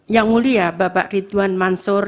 yang mulia bapak ridwan mansur